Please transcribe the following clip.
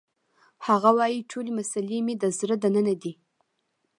هغه وایی ټولې مسلې مې د زړه دننه دي